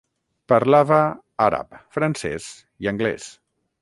Parlava àrab, francès i anglès.